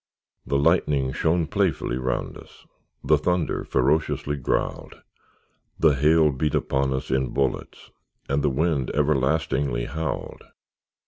The lightning shone playfully round us; The thunder ferociously growled; The hail beat upon us in bullets; And the wind everlastingly howled.